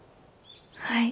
はい。